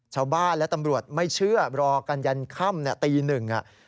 ชาวบ้านและตำรวจไม่เชื่อรอกันยันค่ำตีหนึ่ง